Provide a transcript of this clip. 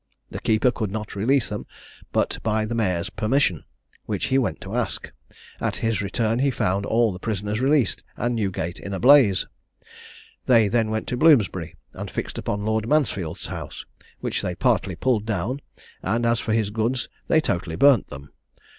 The keeper could not release them but by the mayor's permission, which he went to ask. At his return he found all the prisoners released, and Newgate in a blaze. They then went to Bloomsbury, and fixed upon Lord Mansfield's house, which they partly pulled down; and, as for his goods, they totally burnt them.